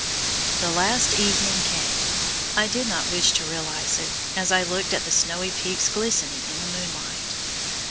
The last evening came. I did not wish to realize it, as I looked at the snow peaks glistening in the moonlight.